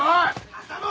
浅野！